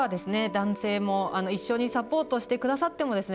男性も一緒にサポートしてくださってもですね